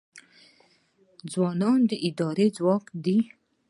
ځوانان د ادارې ځواک دی